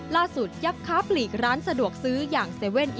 ยับค้าปลีกร้านสะดวกซื้ออย่าง๗๑๑